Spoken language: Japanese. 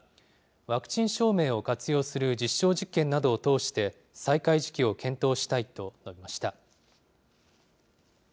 ワクチン証明を活用する実証実験などを通して、再開時期を検討したいと述べました。